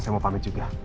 saya mau pamit juga